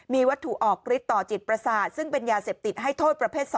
มีวัตถุออกฤทธิต่อจิตประสาทซึ่งเป็นยาเสพติดให้โทษประเภท๒